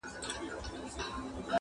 د فرنګ پر کهاله ځکه شور ما شور سو!!